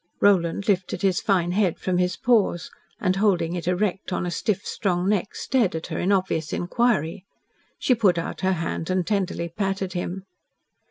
Roland lifted his fine head from his paws, and, holding it erect on a stiff, strong neck, stared at her in obvious inquiry. She put out her hand and tenderly patted him.